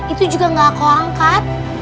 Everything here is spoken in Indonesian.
itu juga nggak kau angkat